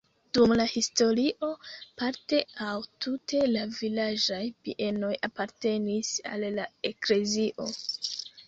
Dum la historio parte aŭ tute la vilaĝaj bienoj apartenis al la eklezio.